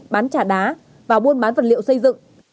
bán trả đá và buôn bán vật liệu xây dựng